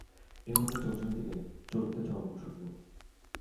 এর মধ্যে চৌর্যবৃত্তি নেই, চর্বিতচর্বণশূন্য।